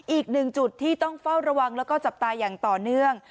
อีกหนึ่งจุดที่ต้องเฝ้าระวังแล้วก็จับตาอย่างต่อเนื่อง